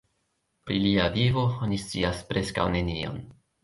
Pri lia vivo oni scias preskaŭ nenion.